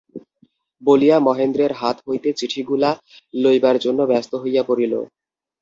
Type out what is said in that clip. বলিয়া মহেন্দ্রের হাত হইতে চিঠিগুলা লইবার জন্য ব্যস্ত হইয়া পড়িল।